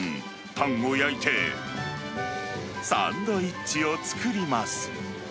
パンを焼いて、サンドイッチを作ります。